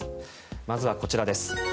まずはこちらです。